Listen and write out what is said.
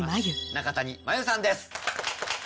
中谷真由さんです。